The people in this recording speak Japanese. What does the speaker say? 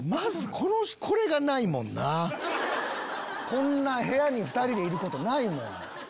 こんな部屋に２人でいることないもん。